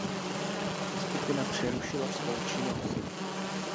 Skupina přerušila svou činnost.